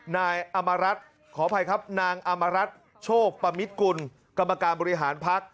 นายอมรัฐขออภัยครับนางอมรัฐโชคปมิตกุลกรรมการบริหารพัก